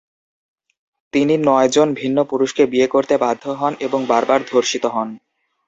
তিনি নয়জন ভিন্ন পুরুষকে বিয়ে করতে বাধ্য হন এবং বারবার ধর্ষিত হন।